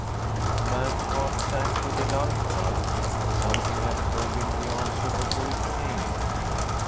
The man's heart sank with a dull thud: something had told him the answer before it came.